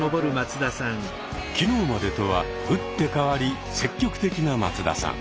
昨日までとは打って変わり積極的な松田さん。